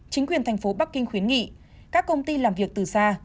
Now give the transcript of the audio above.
chính quyền thành phố bắc kinh khuyến nghị các công ty làm việc từ xa